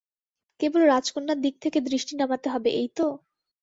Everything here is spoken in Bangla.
কেবল রাজকন্যার দিক থেকে দৃষ্টি নামাতে হবে, এই তো?